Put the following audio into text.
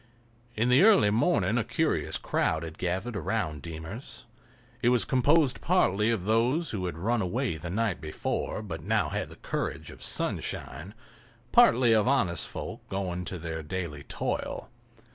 In the early morning a curious crowd had gathered about "Deemer's." It was composed partly of those who had run away the night before, but now had the courage of sunshine, partly of honest folk going to their daily toil.